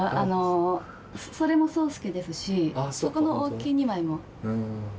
それもそうすけですしそこの大きい２枚も。